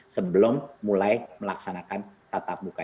sebelum mulai melaksanakan tatap muka